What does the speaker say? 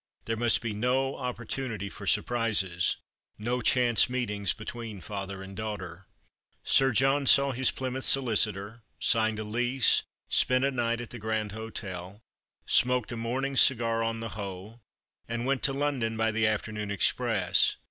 There must be no opportunity for siu prises — no chance meetings between father and daughter. Sir John saw his Plymouth solicitor, signed a lease, spent a night at the Grand Hotel, smoked a morning cigar on the Hoe, and went to London by the afternoon express.